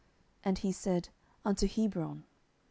And he said, Unto Hebron.